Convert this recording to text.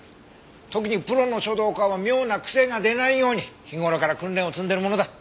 特にプロの書道家は妙な癖が出ないように日頃から訓練を積んでるものだ。